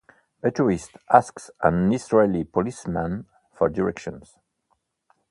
A tourist asks an Israeli policeman for directions.